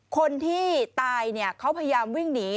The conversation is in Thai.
คนที่ตายเขาพยายามวิ่งหนี